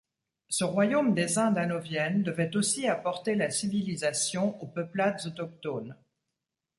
Ce royaume des Indes hanauviennes devait aussi apporter la civilisation au peuplades autochtones.